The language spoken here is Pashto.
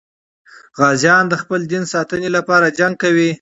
غازیان د خپل دین ساتنې لپاره جنګ کوي.